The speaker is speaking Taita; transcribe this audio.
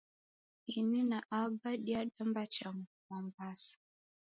Ini na aba diadamba cha Mwambasa